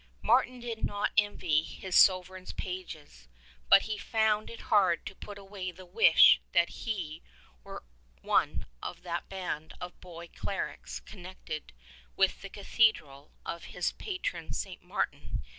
Martin did not envy his sovereign's pages, but he found it hard to put away the wish that he were one of that band of boy clerics connected with the cathedral of his patron St. Martin.